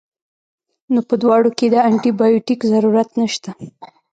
نو پۀ دواړو کښې د انټي بائيوټک ضرورت نشته